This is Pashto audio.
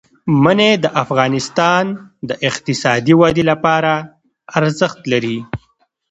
منی د افغانستان د اقتصادي ودې لپاره ارزښت لري.